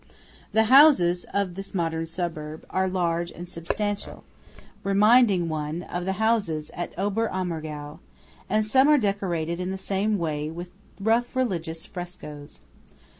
The houses of this modern suburb are large and substantial, reminding one of the houses at Ober Ammergau; and some are decorated in the same way with rough religious frescoes.